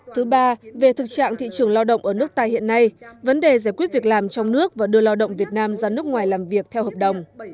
thứ ba về thực trạng thị trường lao động ở nước ta hiện nay vấn đề giải quyết việc làm trong nước và đưa lao động việt nam ra nước ngoài làm việc theo hợp đồng